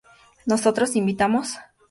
¿Nosotros invitamos?